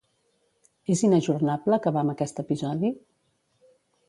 És inajornable acabar amb aquest episodi?